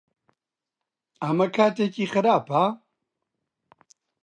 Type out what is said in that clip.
ئەمە کاتێکی خراپە؟